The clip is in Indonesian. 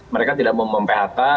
mereka tidak mau mem phk